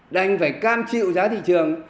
đành phải cam chịu giá thị trường